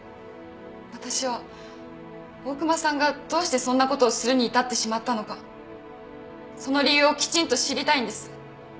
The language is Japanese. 私は大熊さんがどうしてそんなことをするに至ってしまったのかその理由をきちんと知りたいんです。